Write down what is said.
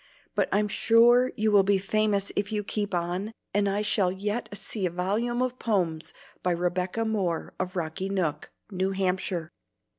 But I'm sure you will be famous if you keep on, and I shall yet see a volume of poems by Rebecca Moore of Rocky Nook, New Hampshire."